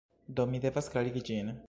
Do, mi devas klarigi ĝin.